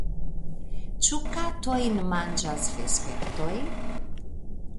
Ĉu katojn manĝas vespertoj?